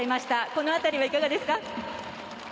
この辺り、いかがですか。